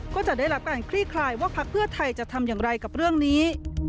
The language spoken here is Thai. ก็จะได้รับการคลี่คลายว่าพักเพื่อไทยจะทำอย่างไรกับเรื่องนี้